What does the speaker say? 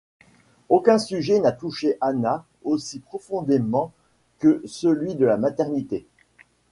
Aucun sujet n'a touché Anna aussi profondément que celui de la maternité.